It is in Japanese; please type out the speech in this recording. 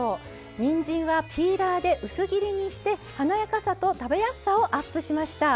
にんじんはピーラーで薄切りにして華やかさと食べやすさをアップしました。